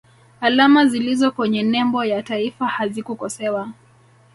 alama zilizo kwenye nembo ya taifa hazikukosewa